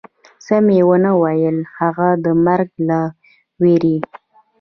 څه مې و نه ویل، هغه د مرګ له وېرې.